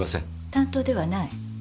担当ではない？